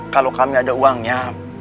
kalau kami ada uangnya